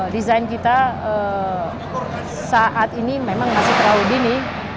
desain kita saat ini memang masih terlalu dini